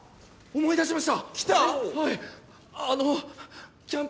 思い出しました！